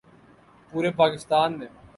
پورے پاکستان میں